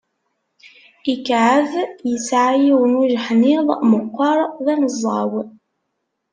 Ikɛeb yesɛa yiwen ujeḥniḍ meqqer, d aneẓẓaw.